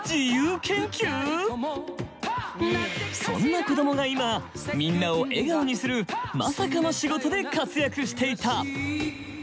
そんな子どもが今みんなを笑顔にするまさかの仕事で活躍していた。